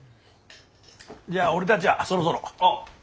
じゃあ俺たちはそろそろ。